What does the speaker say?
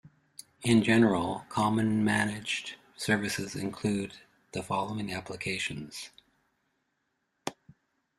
In general, common managed services include the following applications.